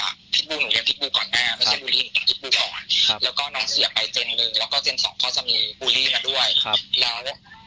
หนูเรียนพิษบูก่อนหน้าไม่ใช่บูรีหนูเรียกพิษบู่อ่ะแล้วน้องเสียไปแล้วก็เจนให้พอจะมีบูรีมาด้วยแล้ว